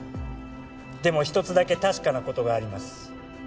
でも一つだけ確かなことがあります